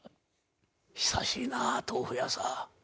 久しいな豆腐屋さん。